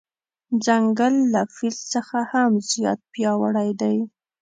ځنګل له فیل څخه هم زیات پیاوړی دی.